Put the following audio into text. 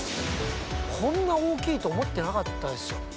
こんな大きいと思っていなかったですよ。